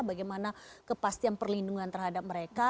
bagaimana kepastian perlindungan terhadap mereka